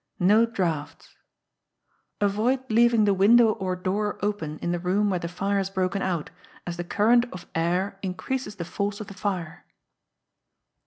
No Draughts. Avoid leaving the Window Or Door open in the room where the fire has broken out, as the current of air increases the force of the fire.